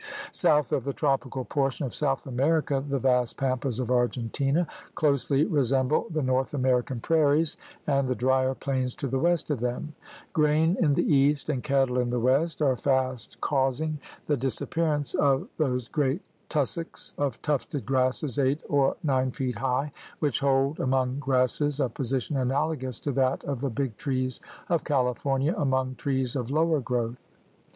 South of the tropical portion of South America the vast pampas of Argentina closely resemble the North American prairies and the drier plains to the west of them. Grain in the east and cattle in the west are fast causing the THE GARMENT OF VEGETATION 111 disappearance of those great tussocks of tufted grasses eight or nine feet high which hold among grasses a position analogous to that of the Big Trees of California among trees of lower growth.